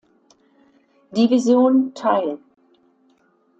Division teil.